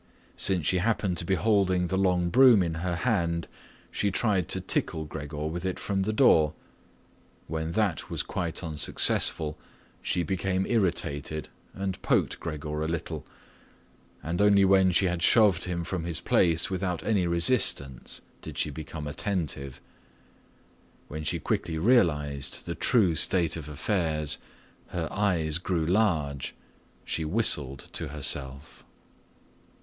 Since she happened to be holding the long broom in her hand, she tried to tickle Gregor with it from the door. When that was quite unsuccessful, she became irritated and poked Gregor a little, and only when she had shoved him from his place without any resistance did she become attentive. When she quickly realized the true state of affairs, her eyes grew large, she whistled to herself.